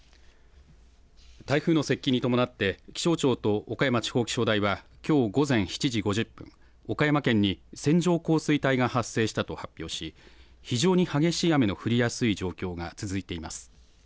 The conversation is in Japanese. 台風の接近に伴って、気象庁と岡山地方気象台はきょう午前７時５０分、岡山県に線状降水帯が発生したと発表し、非常に激しい雨の降りやすい状況が続いています。